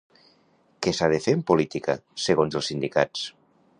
Què s'ha de fer en política, segons els sindicats?